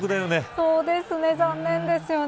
そうですね、残念ですよね。